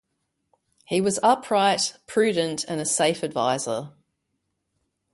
He was upright, prudent and a safe advisor.